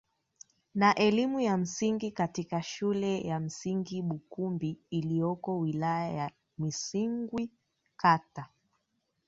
na elimu ya msingi katika Shule ya Msingi Bukumbi iliyoko wilaya ya Misungwi kati